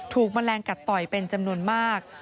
แมลงกัดต่อยเป็นจำนวนมาก